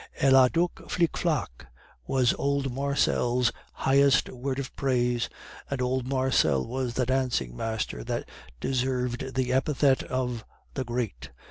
'Elle a duc flic flac,' was old Marcel's highest word of praise, and old Marcel was the dancing master that deserved the epithet of 'the Great.